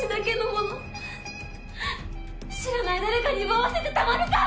知らない誰かに奪わせてたまるか！